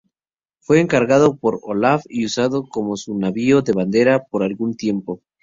Fue encargado por Olaf y usado como su navío de bandera por algún tiempo.